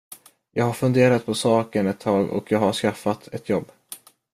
Jag har funderat på saken ett tag och jag har skaffat ett jobb.